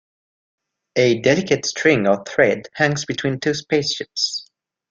A delicate string or thread hangs between two spaceships.